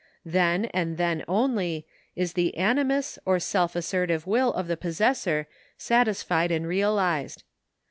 Then, and then only, is the animus or self assertive will of the possessor satisfied and realised.